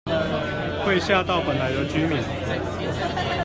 會嚇到本來的居民